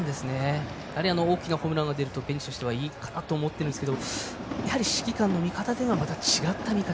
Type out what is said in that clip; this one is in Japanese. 大きなホームランが出るとベンチとしてはいいかなと思っているんですが指揮官の見方としてはまた違った見方